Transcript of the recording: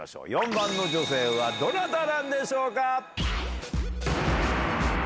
４番の女性はどなたなんでしょう